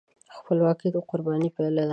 خپلواکي د قربانۍ پایله ده.